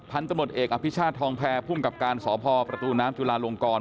พันธุ์ตมติเอกอภิชาทองแพร่ผู้กับการสอบภอประตูน้ำจุลาลงกร